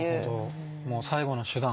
もう最後の手段。